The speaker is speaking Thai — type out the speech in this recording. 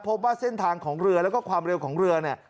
พบว่าเส้นทางของเรือแล้วก็ความเร็วของเรือเนี่ย